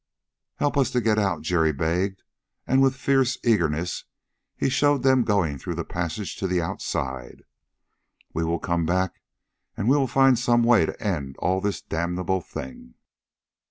"Help us to get out," Jerry begged, and with fierce eagerness he showed them going through the passage to the outside. "We will come back, and we will find some way to end all this damnable thing."